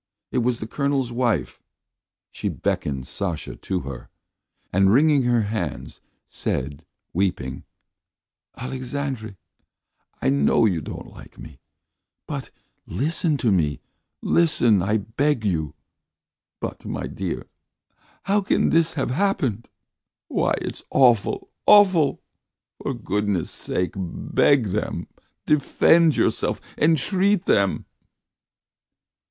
It was the Colonel's wife. She beckoned Sasha to her, and, wringing her hands, said, weeping: "Alexandre, I know you don't like me, but ... listen to me; listen, I beg you. ... But, my dear, how can this have happened? Why, it's awful, awful! For goodness' sake, beg them, defend yourself, entreat them."